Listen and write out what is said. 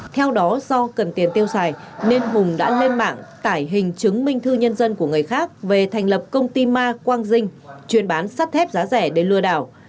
theo đó do cần tiền tiêu xài nên hùng đã lên mạng tải hình chứng minh thư nhân dân của người khác về thành lập công ty ma quang dinh chuyên bán sắt thép giá rẻ để lừa đảo